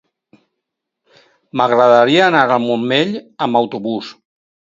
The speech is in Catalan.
M'agradaria anar al Montmell amb autobús.